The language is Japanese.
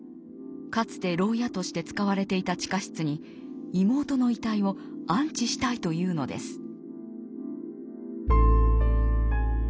かつて牢屋として使われていた地下室に妹の遺体を安置したいというのです。